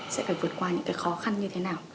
sẽ phải vượt qua những cái khó khăn như thế nào